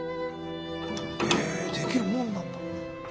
へえできるもんなんだ。